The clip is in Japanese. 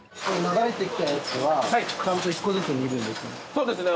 そうですね。